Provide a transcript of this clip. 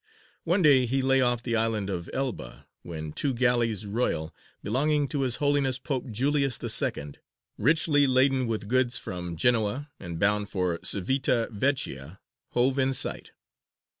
One day he lay off the island of Elba, when two galleys royal, belonging to his Holiness Pope Julius II., richly laden with goods from Genoa, and bound for Cività Vecchia, hove in sight.